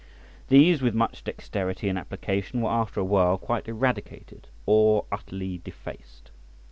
These, with much dexterity and application, were after a while quite eradicated or utterly defaced.